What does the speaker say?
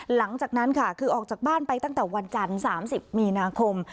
หลังจากนั้นค่ะคือออกจากบ้านไปตั้งแต่วันจันทร์๓๐มีนาคม